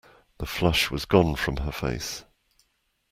The flush was gone from her face.